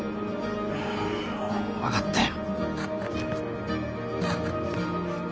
分かったよ。